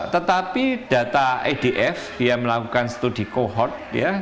tetapi data edf yang melakukan studi kohort